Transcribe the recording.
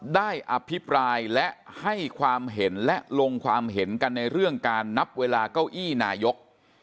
อภิปรายและให้ความเห็นและลงความเห็นกันในเรื่องการนับเวลาเก้าอี้นายก